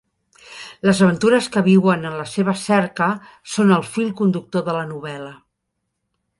Les aventures que viuen en la seva cerca són el fil conductor de la novel·la.